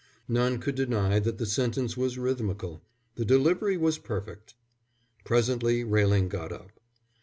None could deny that the sentence was rhythmical. The delivery was perfect. Presently Railing got up.